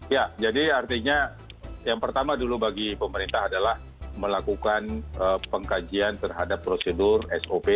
ya jadi artinya yang pertama dulu bagi pemerintah adalah melakukan pengkajian terhadap prosedur sop